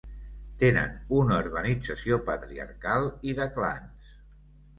Tenen una organització patriarcal i de clans.